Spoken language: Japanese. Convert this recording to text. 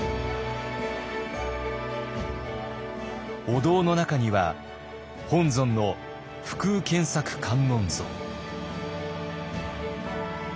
お堂の中には本尊の不空羂索観音像。